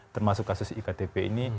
termasuk kasus iktp ini